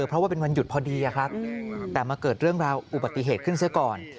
เพราะว่าเป็นวันหยุดพอดีครับแต่มาเกิดเรื่องราวอุบัติเหตุขึ้นซะก่อน